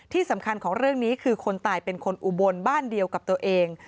ที่สำคัญของเรื่องนี้คือคนตายเป็นคนอุบลบ้านเดียวกับตัวเอง